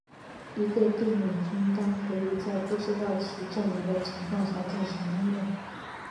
一个定理应当可以在不知道其证明的情况下进行应用。